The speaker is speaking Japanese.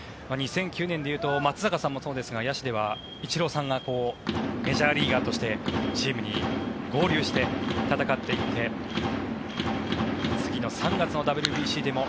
２００９年で言うと松坂さんもそうですが野手ではイチローさんがメジャーリーガーとしてチームに合流して戦っていって次の３月のＷＢＣでも。